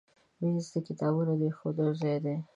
مېز د کتابونو د ایښودو ځای دی.